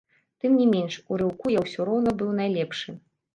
Тым не меншу, у рыўку я ўсё роўна быў найлепшы.